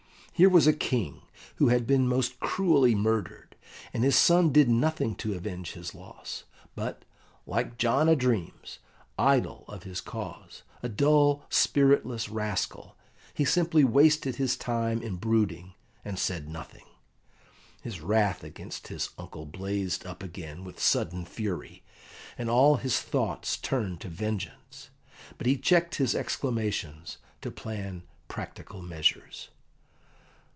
Here was a King who had been most cruelly murdered, and his son did nothing to avenge his loss, but, like John a dreams, idle of his cause a dull, spiritless rascal he simply wasted his time in brooding, and said nothing. His wrath against his uncle blazed up again with sudden fury, and all his thoughts turned to vengeance. But he checked his exclamations to plan practical measures.